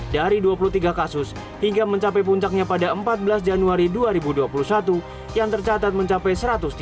dari dua puluh tiga kasus hingga mencapai puncaknya pada empat belas januari dua ribu dua puluh satu yang tercatat mencapai satu ratus tiga puluh